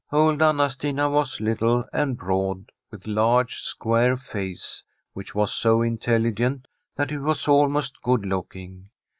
Old Anna Stina was little and broad, with a large, square face, which was so intelligent that it was almost good looking.